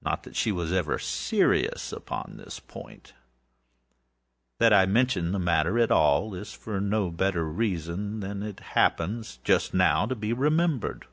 Not that she was ever serious upon this pointâand I mention the matter at all for no better reason than that it happens, just now, to be remembered.